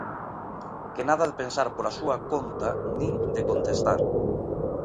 Que nada de pensar pola súa conta nin de contestar!